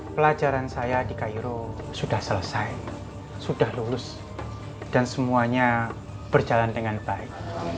pelajaran saya di cairo sudah selesai sudah lulus dan semuanya berjalan dengan baik